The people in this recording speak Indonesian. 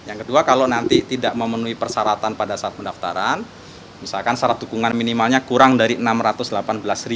yang kedua kalau nanti tidak memenuhi persyaratan pada saat pendaftaran misalkan syarat dukungan minimalnya kurang dari rp enam ratus delapan belas